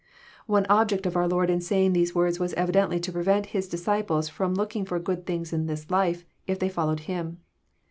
One object of our Lord in gaying these words was evidently to prevent His disciples looking for good things in this life, if they followed Him.